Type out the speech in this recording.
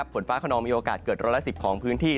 ฝนฟ้าขนองมีโอกาสเกิดร้อยละ๑๐ของพื้นที่